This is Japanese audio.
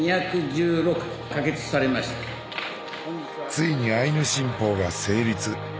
ついにアイヌ新法が成立。